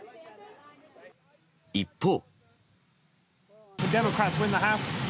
一方。